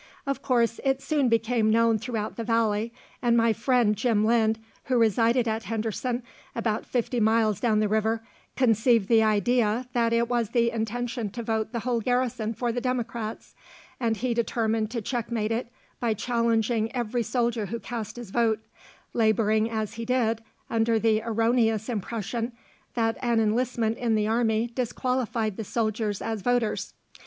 Of course, it soon became known throughout the valley, and my friend Jim Lynd, who resided at Henderson, about fifty miles down the river, conceived the idea that it was the intention to vote the whole garrison for the Democrats, and he determined to checkmate it by challenging every soldier who cast his vote, laboring, as he did, under the erroneous impression that an enlistment in the army disqualified the soldiers as voters.